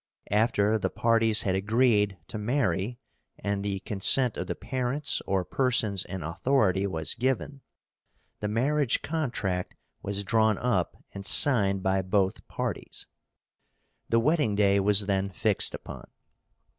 After the parties had agreed, to marry, and the consent of the parents or persons in authority was given, the marriage contract was drawn up and signed by both parties. The wedding day was then fixed upon.